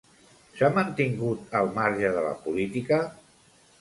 S'ha mantingut al marge de la política?